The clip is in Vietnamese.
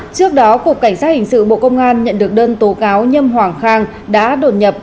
trước đó cục cảnh sát hình sự bộ công an nhận được đơn tố cáo nhâm hoàng khang đã đột nhập